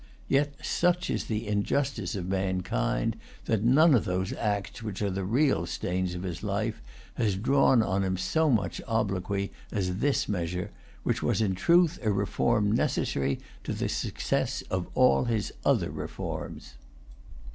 Yet, such is the injustice of mankind, that none of those acts which are the real stains of his life has drawn on him so much obloquy as this measure, which was in truth a reform necessary to the success of all his other reforms.